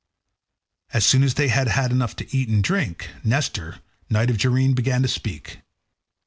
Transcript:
As soon as they had had enough to eat and drink, Nestor, knight of Gerene, began to speak.